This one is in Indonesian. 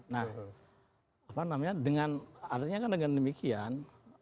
nah apa namanya dengan artinya kan dengan demikian